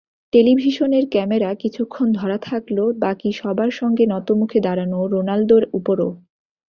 টেলিভিশনের ক্যামেরা কিছুক্ষণ ধরা থাকল বাকি সবার সঙ্গে নতমুখে দাঁড়ানো রোনালদোর ওপরও।